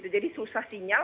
jadi susah sinyal